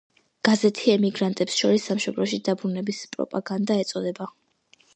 დაცვითი ნაგებობის გარდა ციხეს ჰქონდა, ასევე, არქიეპისკოპოსის რეზიდენციის სტატუსიც.